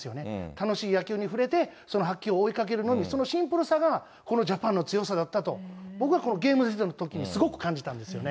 楽しい野球に触れて、その白球を追いかけるのみ、そのシンプルさが、このジャパンの強さだったと、僕はきょうのゲームですごく感じたんですよね。